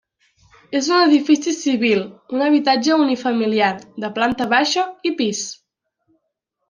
És un edifici civil, un habitatge unifamiliar de planta baixa i pis.